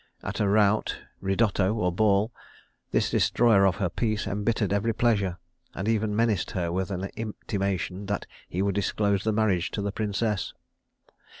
At a rout, ridotto, or ball, this destroyer of her peace embittered every pleasure, and even menaced her with an intimation that he would disclose the marriage to the princess.